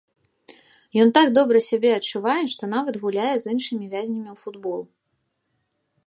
Ён так добра сябе адчувае, што нават гуляе з іншымі вязнямі ў футбол.